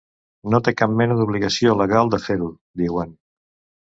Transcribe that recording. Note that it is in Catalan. No té cap mena d’obligació legal de fer-ho –diuen–.